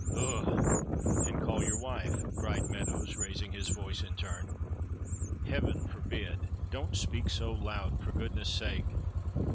"Ugh!" "And call your wife!" cried Meadows, raising his voice in turn. "Heaven forbid! Don't speak so loud, for goodness' sake!"